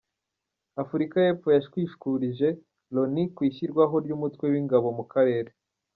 Afurika Y’Epfo yashwishurije Loni ku ishyirwaho ry’umutwe w’ingabo mu karere